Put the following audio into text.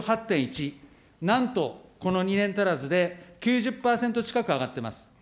なんとこの２年足らずで９０％近く上がってます。